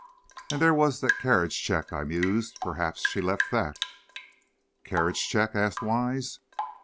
"And there was the carriage check," I mused; "perhaps she left that." "Carriage check?" asked Wise.